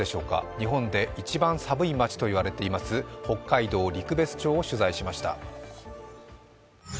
日本で一番寒い町といわれています、北海道陸別町を取材しました。